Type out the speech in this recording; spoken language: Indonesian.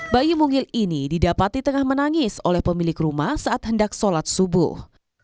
bayi mungil ini didapati tengah menangis oleh pemilik rumah saat hendak sholat subuh